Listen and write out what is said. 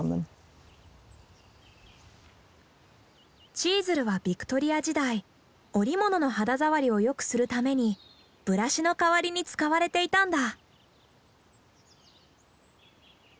チーズルはビクトリア時代織物の肌触りをよくするためにブラシの代わりに使われていたんだ。